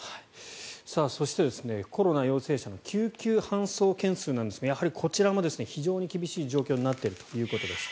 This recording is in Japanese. そして、コロナ陽性者の救急搬送件数なんですがやはり、こちらも非常に厳しい状況になっているということです。